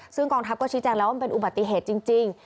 ซึ่งกองทัพก็ชี้แจงแล้วมันเป็นอุบัติเหตุจริง